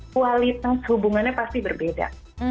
kualitas hubungannya pasti berbeda